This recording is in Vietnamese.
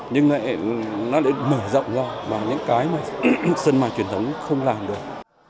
nhưng mà nó lại mở rộng ra vào những cái mà sơn mai truyền thống không làm được